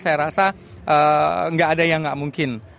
saya rasa gak ada yang gak mungkin